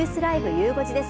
ゆう５時です。